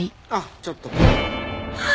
ちょっと。